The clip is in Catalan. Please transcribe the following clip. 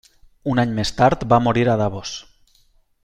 Un any més tard va morir a Davos.